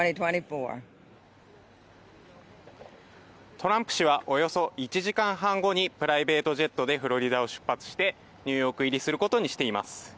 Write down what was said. トランプ氏はおよそ１時間半後にプライベートジェットでフロリダを出発してニューヨーク入りすることにしています。